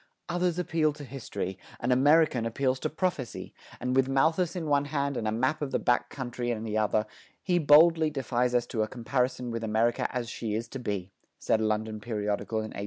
"Others appeal to history: an American appeals to prophecy; and with Malthus in one hand and a map of the back country in the other, he boldly defies us to a comparison with America as she is to be," said a London periodical in 1821.